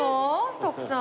徳さん。